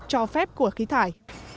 cho phép của khí thải